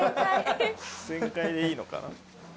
全開でいいのかな。